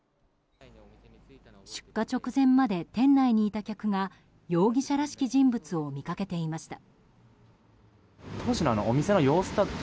出火直前まで店内にいた客が容疑者らしき人物を見かけていました。